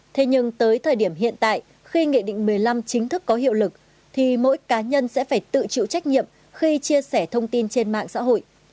thế nhưng tới thời điểm hiện tại khi nghị định một mươi năm chính thức có hiệu lực thì mỗi cá nhân sẽ phải tự chịu trách nhiệm khi chia sẻ thông tin trên mạng xã hội